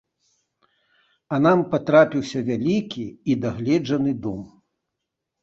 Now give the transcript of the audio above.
А нам патрапіўся вялікі і дагледжаны дом.